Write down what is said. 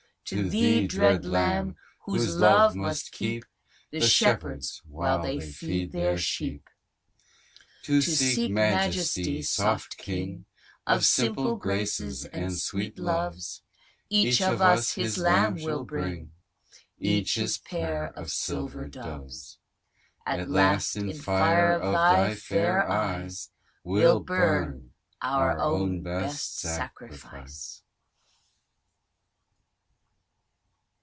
To thee (dread lamb) whose love must keep The shepherds, while they feed their sheep. To seek Majesty, soft king Of simple graces, and sweet loves, Each of us his lamb will bring, Each his pair of silver doves. At last, in fire of thy fair eyes, We'll burn, our own best sacrifice.